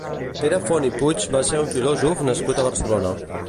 Pere Font i Puig va ser un filòsof nascut a Barcelona.